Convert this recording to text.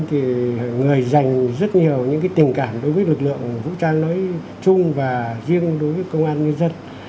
thì người dành rất nhiều những tình cảm đối với lực lượng vũ trang nói chung và riêng đối với công an nhân dân